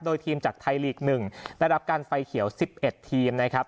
โดยทีมจากไทยลีก๑ได้รับการไฟเขียว๑๑ทีมนะครับ